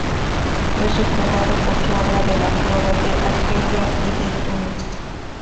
Es recordado por su obra de la "Flora de Argelia y de Túnez.